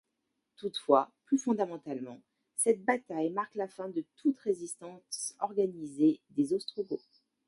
Toutefois, plus fondamentalement, cette bataille marque la fin de toute résistance organisée des Ostrogoths.